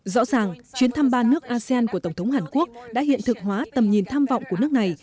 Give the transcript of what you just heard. rõ ràng chuyến thăm ba nước asean của tổng thống hàn quốc đã hiện thực hóa tầm nhìn tham vọng của nước này